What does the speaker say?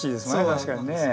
確かにね。